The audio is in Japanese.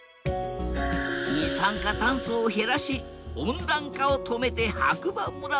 二酸化酸素を減らし温暖化を止めて白馬村を守りたい。